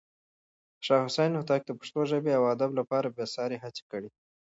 شاه حسين هوتک د پښتو ژبې او ادب لپاره بې ساری هڅې کړې.